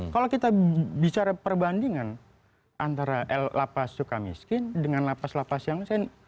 kalau kita bicara perbandingan antara lapas suka miskin dengan lapas lapas yang lain